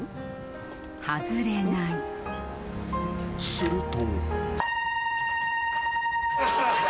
［すると］